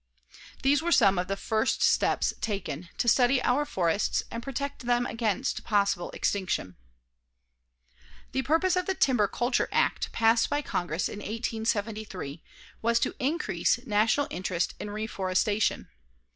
These were some of the first steps taken to study our forests and protect them against possible extinction. The purpose of the Timber Culture Act passed by Congress in 1873 was to increase national interest in reforestation.